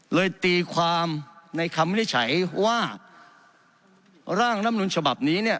ตีความในคำวินิจฉัยว่าร่างรัฐมนุนฉบับนี้เนี่ย